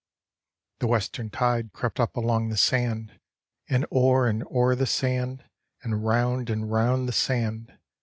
The western tide crept up along the sand. And o'er and o'er the sand. And round and round the sand.